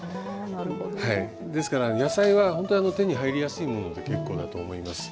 ですから野菜はほんと手に入りやすいもので結構だと思います。